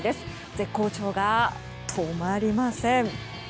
絶好調が止まりません。